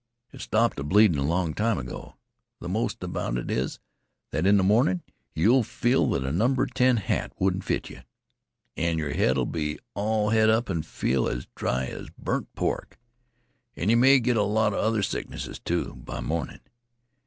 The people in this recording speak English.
It stopped a bleedin' long time ago. Th' most about it is that in th' mornin' yeh'll feel that a number ten hat wouldn't fit yeh. An' your head'll be all het up an' feel as dry as burnt pork. An' yeh may git a lot 'a other sicknesses, too, by mornin'.